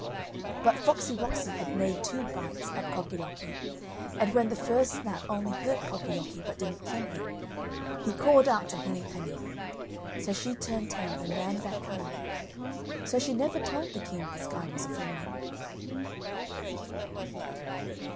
But Foxy woxy had made two bites at Cocky locky, and when the first snap only hurt Cocky locky, but didn't kill him, he called out to Henny penny. So she turned tail and ran back home, so she never told the king the sky was a falling.